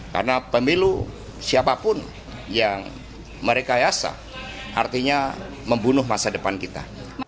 karena pemilu siapapun yang merekayasa artinya membunuh masa depan kita